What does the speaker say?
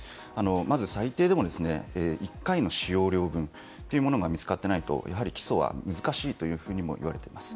まず最低でも１回の使用量分というものが見つかっていないとやはり起訴は難しいというふうにもいわれています。